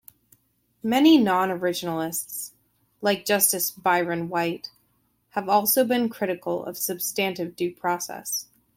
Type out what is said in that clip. Many non-originalists, like Justice Byron White, have also been critical of substantive due process.